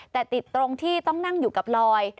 แต่ติดตรงที่ต้องนั่งอยู่กับลอย